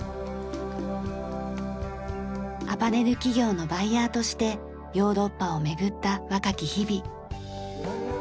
アパレル企業のバイヤーとしてヨーロッパを巡った若き日々。